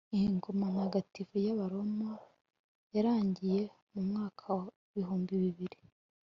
ingoma ntagatifu y'abaroma yarangiye mu mwaka wa bihumbi bibiri